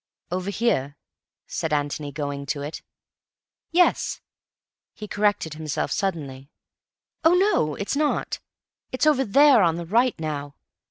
"Over here?" said Antony, going to it. "Yes." He corrected himself suddenly. "Oh, no, it's not. It's over there on the right now.